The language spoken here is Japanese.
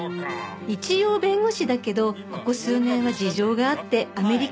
一応弁護士だけどここ数年は事情があってアメリカ暮らし